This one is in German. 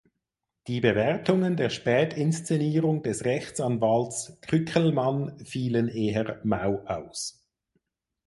Die Bewertungen der Spätinszenierung des Rechtsanwalts Kückelmann fielen eher mau aus.